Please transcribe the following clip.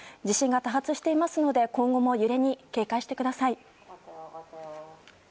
地震が多発していますので今後も揺れに警戒してください。